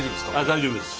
大丈夫です。